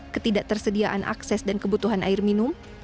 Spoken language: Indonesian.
ketidaktersediaan akses dan kebutuhan air minum